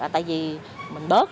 tại vì mình bớt